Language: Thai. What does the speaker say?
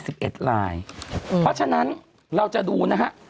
ลายเพราะฉะนั้นเราจะดูนะฮะ